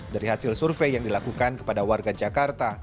dari hasil survei yang dilakukan kepada warga jakarta